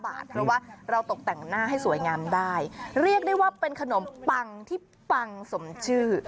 เพราะว่าเราตกแต่งหน้าให้สวยงามได้เรียกได้ว่าเป็นขนมปังที่ปังสมชื่อ